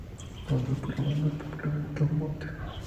Fue uno de los programas más populares de DuMont.